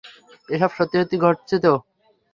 এসব সত্যি সত্যি ঘটছে না!